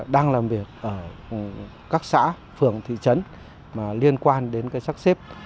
đang làm việc ở các xã phường thị trấn mà liên quan đến cái sắp xếp